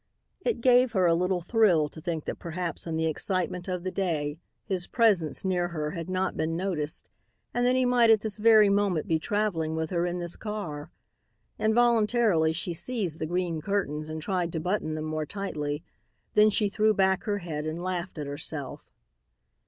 It gave her a little thrill to think that perhaps in the excitement of the day his presence near her had not been noticed and that he might at this very moment be traveling with her in this car. Involuntarily she seized the green curtains and tried to button them more tightly, then she threw back her head and laughed at herself.